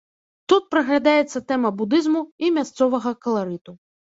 Тут праглядаецца тэма будызму і мясцовага каларыту.